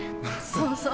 そうそう。